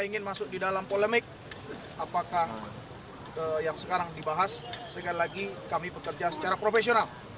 ingin masuk di dalam polemik apakah yang sekarang dibahas sekali lagi kami bekerja secara profesional